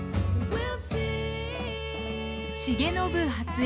「重信初江